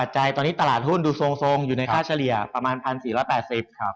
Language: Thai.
จากหุ้นดูทรงอยู่ในค่าเฉลี่ยประมาณ๑๔๘๐บาท